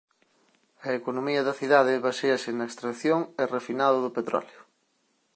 A economía da cidade baséase na extracción e refinado do petróleo.